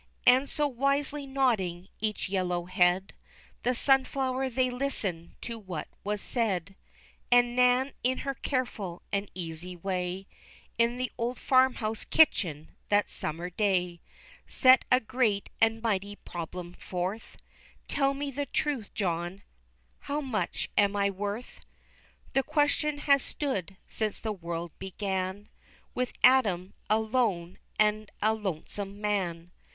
And so wisely nodding each yellow head The sunflowers they listened to what was said, As Nan in her careful and easy way, In the old farmhouse kitchen that summer day, Set a great and a mighty problem forth "Tell me the truth, John, how much am I worth?" The question has stood since the world began With Adam, a lone and a lonesome man.